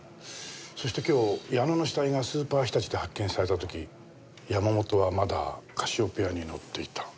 そして今日矢野の死体がスーパーひたちで発見された時山本はまだカシオペアに乗っていた。